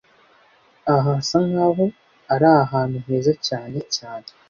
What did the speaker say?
Aha hasa nkaho ari ahantu heza cyane cyane